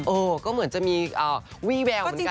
โอ้ก็เหมือนจะมีวีแบวเหมือนกันนะคะ